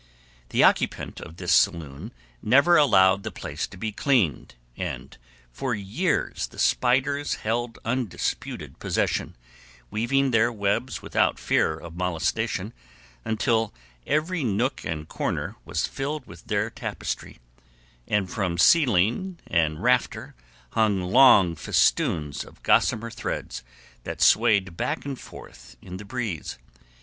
The occupant of this saloon never allowed the place to be cleaned, and for years the spiders held undisputed possession, weaving their webs without fear of molestation, until every nook and corner was filled with their tapestry, and from ceiling and rafter hung long festoons of gossamer threads that swayed back and forth in the breeze.